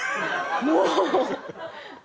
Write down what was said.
もう。